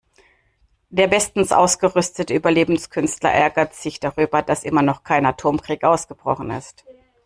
Der bestens ausgerüstete Überlebenskünstler ärgert sich darüber, dass immer noch kein Atomkrieg ausgebrochen ist.